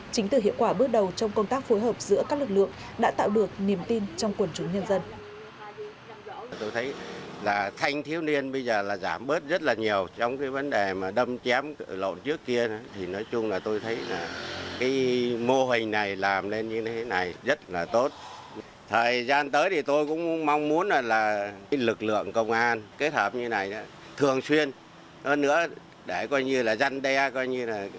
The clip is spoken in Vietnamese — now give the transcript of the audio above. chính từ hiệu quả bước đầu trong công tác phối hợp giữa các lực lượng đã tạo được niềm tin trong quần chúng nhân dân